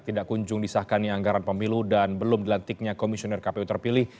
tidak kunjung disahkannya anggaran pemilu dan belum dilantiknya komisioner kpu terpilih